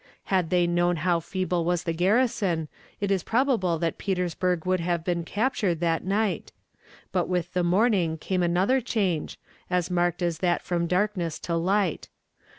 Had they known how feeble was the garrison, it is probable that Petersburg would have been captured that night; but with the morning came another change, as marked as that from darkness to light.